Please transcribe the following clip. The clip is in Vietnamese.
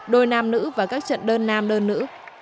đôi nam nữ và các trận đơn nam đơn nữ